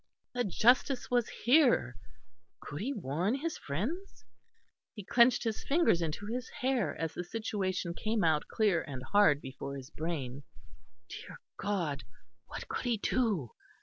The Justice was here. Could he warn his friends? He clenched his fingers into his hair as the situation came out clear and hard before his brain. Dear God, what could he do?